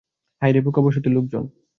হায়রে বোকা বসতির লোকজন।